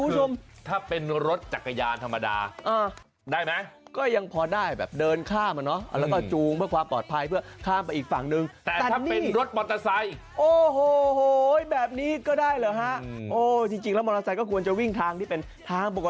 ที่ถ้าเป็นรถจักรยานธรรมดาได้มั้ยก็ยังพอได้แบบเดินข้ามก็เนาะ